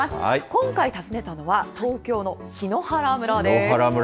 今回、訪ねたのは東京の檜原村です。